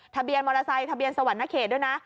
ทะเบียนมอเตอร์ไซค์ทะเบียนสวรรณเขตด้วยนะ